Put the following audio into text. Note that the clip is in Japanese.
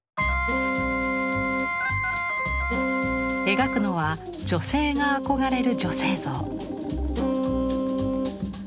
描くのは女性が憧れる女性像。